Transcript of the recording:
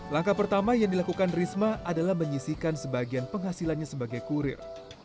langkah pertama yang dilakukan risma adalah menyisikan sebagian penghasilannya sebagai kurir